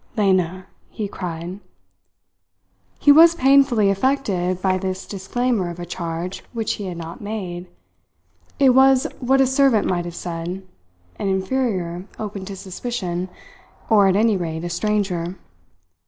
"Lena!" he cried. He was painfully affected by this disclaimer of a charge which he had not made. It was what a servant might have said an inferior open to suspicion or, at any rate, a stranger.